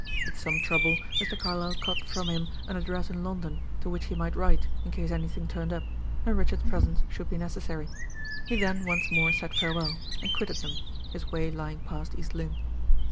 With some trouble, Mr. Carlyle got from him an address in London, to which he might write, in case anything turned up, and Richard's presence should be necessary. He then once more said farewell, and quitted them, his way lying past East Lynne.